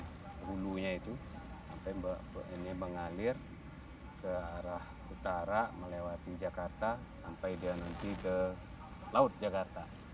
dari hulunya itu sampai ini mengalir ke arah utara melewati jakarta sampai dia nanti ke laut jakarta